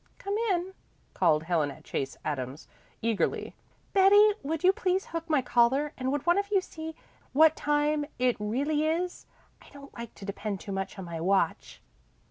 "Come in," called Helen Chase Adams eagerly. "Betty, would you please hook my collar, and would one of you see what time it really is? I don't like to depend too much on my watch."